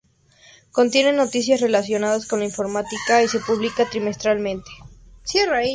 Contiene noticias relacionadas con la informática y se publica trimestralmente.